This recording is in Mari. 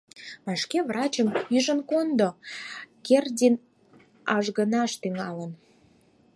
— Вашке врачым ӱжын кондо, Кердин ажгынаш тӱҥалын!